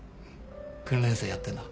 訓練生やってんだ。